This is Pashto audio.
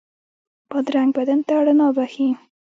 بادرنګ بدن ته رڼا بښي.